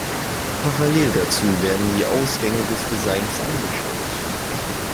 Parallel dazu werden die Ausgänge des Designs angeschaut.